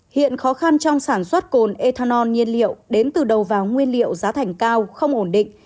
hiện khó khăn trong sản xuất cồn ethanol nhiên liệu đến từ đầu vào nguyên liệu giá thành cao không ổn định